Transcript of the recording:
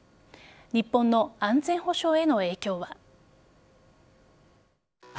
日本の安全保障への影響は。